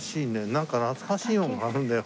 なんか懐かしい物があるんだよ